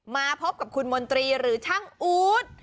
มาพบกับคุณมนตรีหรือช่างอู๊ด